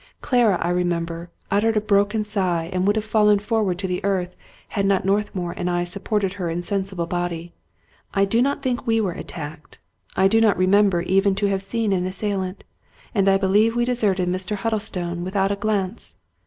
Clara, I re member, uttered a broken sigh and would have fallen for ward to earth, had not Northmour and I supported her in sensible body. I do not think we were attacked : I do not remember even to have seen an assailant ; and I believe we deserted Mr. Huddlestone without a glance.